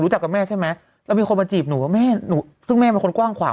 จากกับแม่ใช่ไหมแล้วมีคนมาจีบหนูว่าแม่หนูซึ่งแม่เป็นคนกว้างขวาง